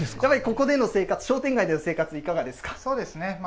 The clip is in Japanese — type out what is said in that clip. やっぱりここでの生活、商店街での生活、いかがですか？